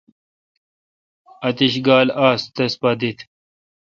اتییش گال آس تس پہ دت۔